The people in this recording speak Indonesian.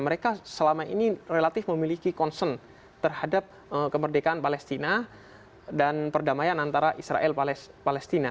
mereka selama ini relatif memiliki concern terhadap kemerdekaan palestina dan perdamaian antara israel palestina